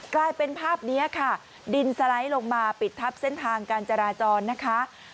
กลายเป็นภาพนี้ค่ะดินสไลด์ลงมาปิดทับเส้นทางการจราจรนะคะ